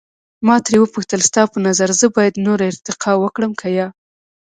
ما ترې وپوښتل، ستا په نظر زه باید نوره ارتقا وکړم که یا؟